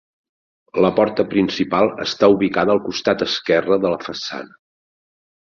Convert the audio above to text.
La porta principal està ubicada al costat esquerre de la façana.